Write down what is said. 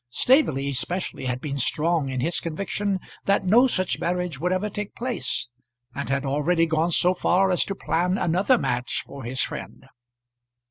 Staveley especially had been strong in his conviction that no such marriage would ever take place, and had already gone so far as to plan another match for his friend.